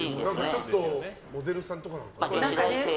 ちょっとモデルさんとかなのかな。